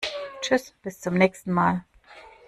Tschüss, bis zum nächsen Mal!